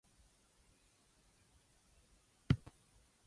Offa's Dyke and Offa's Dyke Path run through the area.